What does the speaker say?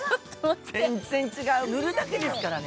全然違う、塗るだけですからね。